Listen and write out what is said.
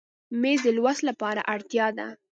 مېز د لوست لپاره اړتیا ده.